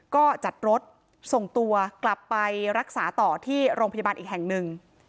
ก็จัดรถส่งตัวกลับไปรักษาต่อที่โรงพยาบาลอีกแห่งหนึ่ง